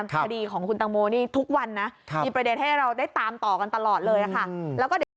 คดีของคุณตังโมนี่ทุกวันนะมีประเด็นให้เราได้ตามต่อกันตลอดเลยนะค่ะ